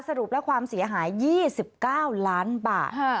สรุปแล้วความเสียหาย๒๙ล้านบาท